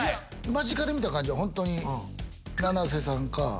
間近で見た感じは本当に。